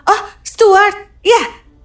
oh stuart ya